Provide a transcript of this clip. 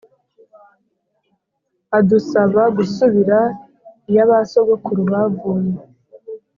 adusaba gusubira iyabasogokuru bavuye.